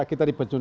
kita di pejabat